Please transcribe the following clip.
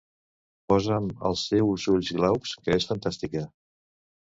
Posa'm "Els teus ulls glaucs" que és fantàstica.